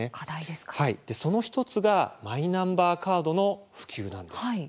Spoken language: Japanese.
その１つがマイナンバーカードの普及なんです。